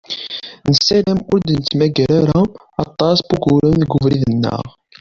Nessaram ur d-nettmagger ara aṭas n wuguren deg ubrid-nneɣ.